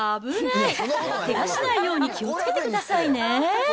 けがしないように気をつけてくださいね。